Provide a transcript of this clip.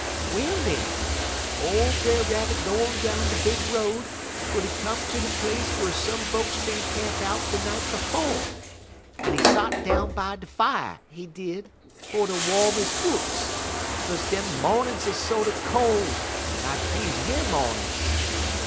"Well, den, ole Brer Rabbit go on down de big road twel he come ter de place whar some folks bin camp out de night befo', en he sot down by de fier, he did, fer ter wom his foots, 'kaze dem mawnin's 'uz sorter cole, like deze yer mawnin's.